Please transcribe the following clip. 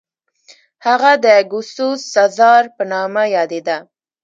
هغه د اګوستوس سزار په نامه یادېده.